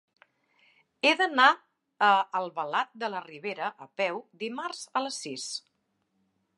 He d'anar a Albalat de la Ribera a peu dimarts a les sis.